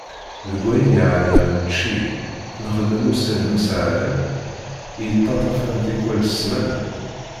Deg wayen yeɛna učči, nexdem ussan n useɛlem i yettaṭafen tikwal smana.